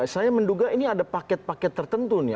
saya menduga ini ada paket paket tertentu nih